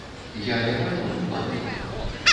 Я не бачу тут праблем.